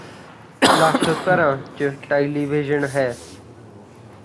ਲੱਖ ਘਰਾਂ ਚ ਟੈਲੀਵਿਜ਼ਨ ਹੈ